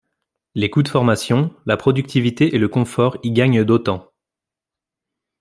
Les coûts de formation, la productivité et le confort y gagnent d'autant.